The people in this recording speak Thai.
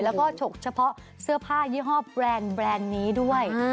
แล้วก็ฉกเฉพาะเสื้อผ้ายี่ห้อแบรนด์แบรนด์นี้ด้วย